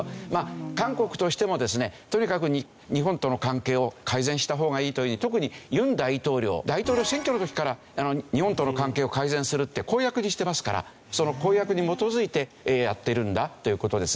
韓国としてもですねとにかく日本との関係を改善した方がいいと特に尹大統領大統領選挙の時から日本との関係を改善するって公約にしてますからその公約に基づいてやってるんだという事ですね。